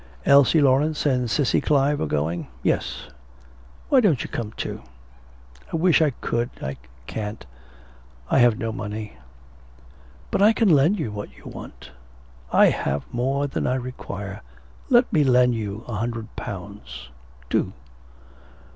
'Elsie Laurence and Cissy Clive are going?' 'Yes.... Why don't you come too?' 'I wish I could. I can't. I have no money.' 'But I can lend you what you want. I have more than I require. Let me lend you a hundred pounds. Do.'